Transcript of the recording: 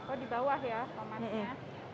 oh dibawah ya tomatnya